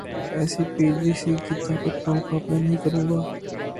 S P, D C کی طاقت پر مقابلہ نہیں کروں گا